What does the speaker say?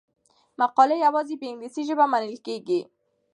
مقالې یوازې په انګلیسي ژبه منل کیږي.